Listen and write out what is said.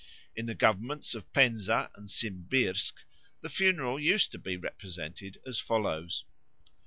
In the Governments of Penza and Simbirsk the funeral used to be represented as follows.